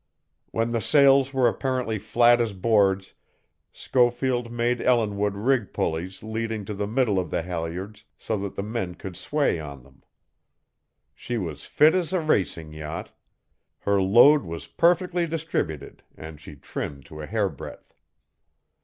When the sails were apparently flat as boards Schofield made Ellinwood rig pulleys leading to the middle of the halyards so that the men could sway on them. She was fit as a racing yacht; her load was perfectly distributed and she trimmed to a hairbreadth.